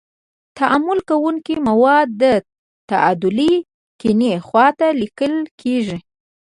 تعامل کوونکي مواد د معادلې کیڼې خواته لیکل کیږي.